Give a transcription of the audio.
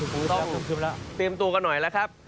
คงต้องเตรียมตัวกันหน่อยแล้วครับ